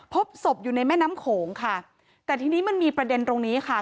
พบศพอยู่ในแม่น้ำโขงค่ะแต่ทีนี้มันมีประเด็นตรงนี้ค่ะ